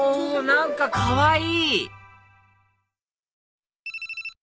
何かかわいい！